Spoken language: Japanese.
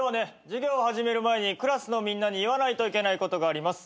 授業を始める前にクラスのみんなに言わないといけないことがあります。